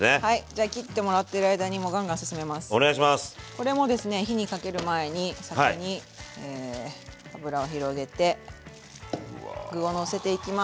これもですね火にかける前に先に油を広げて具をのせていきます。